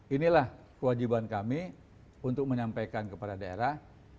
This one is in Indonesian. inilah kewajiban kami untuk menyampaikan kepada daerah